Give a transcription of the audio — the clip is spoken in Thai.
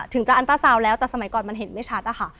ถึงจะอันต้าซาวน์แล้วแต่สมัยก่อนมันเห็นไม่ชัดอะค่ะ